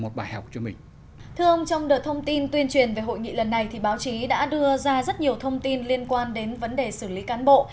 thưa ông trong đợt thông tin tuyên truyền về hội nghị lần này thì báo chí đã đưa ra rất nhiều thông tin liên quan đến vấn đề xử lý cán bộ